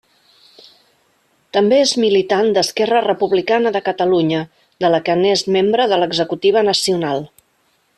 També és militant d'Esquerra Republicana de Catalunya, de la que n'és membre de l'executiva nacional.